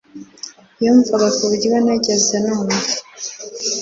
yumvaga ku buryo ntigeze numva